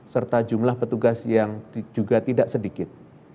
serta jumlah petugas yang juga tidak sedikit